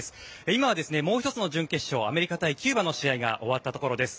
今はもう１つの準決勝アメリカ対キューバの試合が終わったところです。